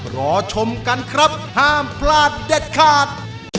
รอชมกันครับห้ามพลาดเด็ดขาด